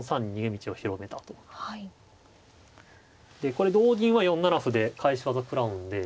これ同銀は４七歩で返し技食らうんで。